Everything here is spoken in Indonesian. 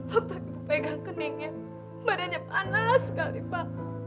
waktu pegang keningnya badannya panas sekali pak